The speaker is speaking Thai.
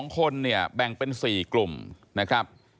๒คนเนี่ยแบ่งเป็น๔กลุ่มนะครับ